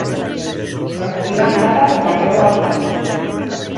Recopilant dades d"arreu el món.